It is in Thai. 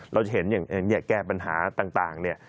เราจะเห็นอย่างแก้ปัญหาต่างเนี่ย